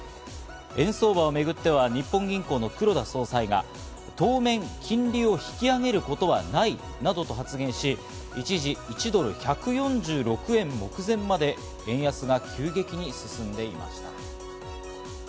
円相場をめぐっては日本銀行の黒田総裁が当面、金利を引き上げることはないなどと発言し、一時１ドル＝１４６円目前まで円安が急激に進んでいました。